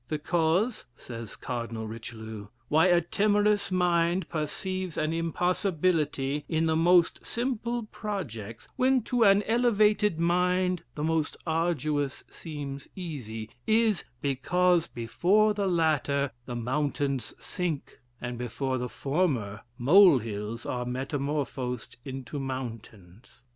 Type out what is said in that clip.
'The cause,' says Cardinal Richelieu, 'why a timorous mind perceives an impossibility in the most simple projects, when to an elevated mind the most arduous seems easy, is, because, before the latter the mountains sink, and before the former mole hills are metamorphosed into mountains.'"